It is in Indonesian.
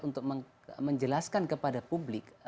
untuk menjelaskan kepada publik